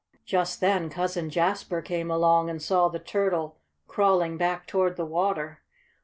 Just then Cousin Jasper came along and saw the turtle crawling back toward the water.